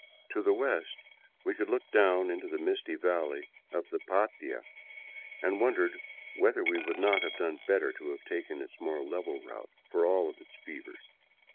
To the west we could look down into the misty valley of the Patia — and wonder whether we would not have done better to have taken its more level route, for all its fevers.